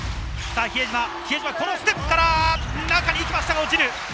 比江島、ステップから中に行きましたが落ちる。